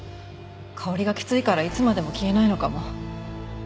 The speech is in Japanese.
香りがきついからいつまでも消えないのかも。